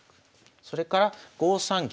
それから５三銀。